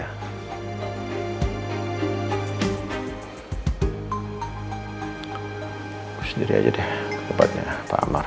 aku sendiri aja deh tempatnya pak amar